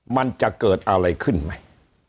มันจะเกิดอะไรขึ้นไหม